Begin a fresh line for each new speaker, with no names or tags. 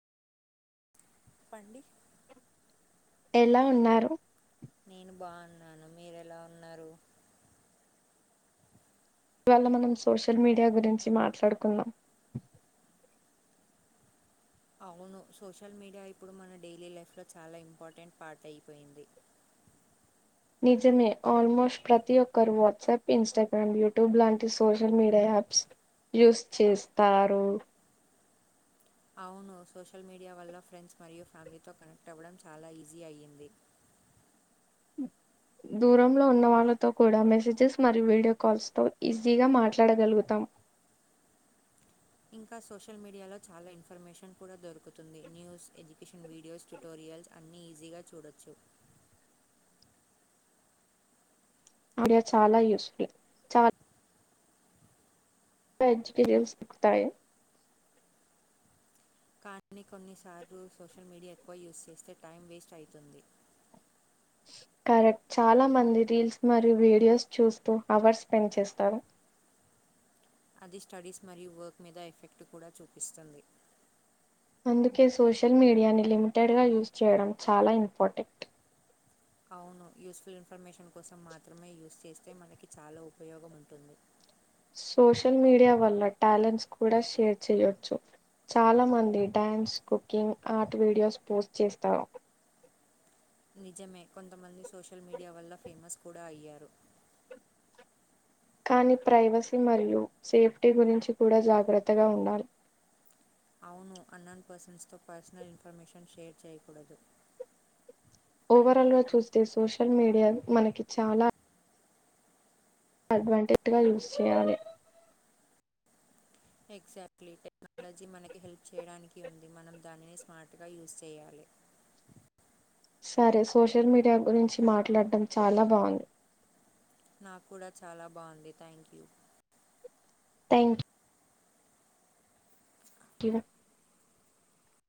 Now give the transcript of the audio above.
పాండి
ఎలా ఉన్నారు
నేను బాగున్నాను మీరు ఎలా ఉన్నారు
ఇందువల్ల మనం సోషల్ మీడియా గురించి మాట్లాడుకుందం
అవును సోషల్ మీడియా ఇప్పుడు మన డైలీ లైఫ్లో చాలా ఇంపార్టెంట్ పార్ట్ అయిపోయింది
నిజమే ఆల్మోస్ట్ ప్రతి ఒక్కరు వాట్సాప్ ఇన్స్టాగ్రామ్ యూట్యూబ్ లాంటి సోషల్ మీడియా యాప్స్ యూస్ చేస్తారు
అవును సోషల్ మీడియా వల్ల ఫ్రెండ్స్ మరియు ఫ్యామిలీతో కనెక్ట్ అవ్వడం చాలా ఈజీ అయ్యింది
దూరంలో ఉన్నవాళ్లతో కూడా మెసేజెస్ మరియు వీడియో కాల్స్తో ఈజీగా మాట్లాడగలుగుతాం
ఇంకా సోషల్ మీడియాలో చాలా ఇన్ఫర్మేషన్ కూడా దొరుకుతుంది న్యూస్ ఎడ్యుకేషన్ వీడియోస్ ట్యుటోరియల్స్ అన్ని ఈజీగా చూడొచ్చు
అడియా చాలా యూస్ఫుల్ చాల జకి దలుస్ పుఖతాయి
కానీ కొన్నిసార్లు సోషల్ మీడియా ఎక్కువ యూస్ చేస్తే టైం వేస్ట్ అవుతుంది
కరెక్ట్ చాలా మంది రీల్స్ మరియు వీడియోస్ చూస్తూ అవర్ స్పెండ్ చేస్తారు
అధి స్టడీస్ మరి వర్క్ మీద ఎఫెక్ట్ కూడా చూపిస్తుంది
అందుకే సోషల్ మీడియాని లిమిటెడ్ గా యూజ్ చేయడం చాలా ఇంపార్టెంట్
అవును యూస్‌ఫుల్ ఇన్ఫర్మేషన్ కోసం మాత్రమే యూస్‌ చేస్తే మనకి చాలా ఉపయోగం ఉంటుంది
సోషల్ మీడియా వల్ల టాలెంట్స్ కూడా షేర్ చేయొచ్చు చాలా మంది dance cooking art videos post చేస్తారు
నిజమే కొంతమంది సోషల్ మీడియా వల్ల ఫేమస్ కూడా అయ్యారు
కానీ ప్రైవసీ మరియు సేఫ్టీ గురించి కూడా జాగ్రత్తగా ఉండాలి
అవును అన్నన్ పర్సన్స్ తో పర్సనల్ ఇన్ఫర్మేషన్ షేర్ చేయకూడదు
ఓవరాల్ గా చూస్తే సోషల్ మీడియా మనకి చాలా అడ్వాంటేజ్గా యూజ్ చేయాలి
ఎగ్జాక్ట్లీ టెక్నాలజీ మనకి హెల్ప్ చేయడానికి ఉంది మనం దానిని స్మార్ట్గా యూజ్ చేయాలి
సరే సోషల్ మీడియా గురించి మాట్లాడడం చాలా బాగుంది
నాకు కూడా చాలా బాగుంది thank you
thank you tea